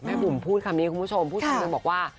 บุ๋มพูดคำนี้คุณผู้ชมพูดคำนึงบอกว่า